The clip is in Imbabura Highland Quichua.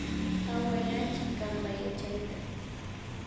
Hawayachi kanpa yachayta